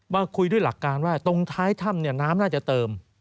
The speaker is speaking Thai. มาคุยด้วยหลักการว่าตรงท้ายถ้ำเนี่ยน้ำน่าจะเติม